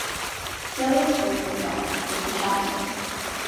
Gilleasbuig Macdonald was the captain.